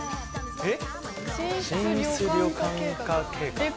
えっ。